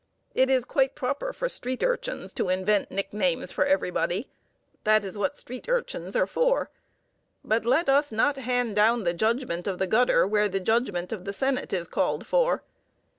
It is quite proper for street urchins to invent nicknames for everybody that is what street urchins are for; but let us not hand down the judgment of the gutter where the judgment of the senate is called for.